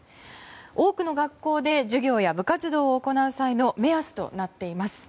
多くの学校で授業や部活動を行う際の目安となっています。